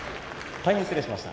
大変失礼しました。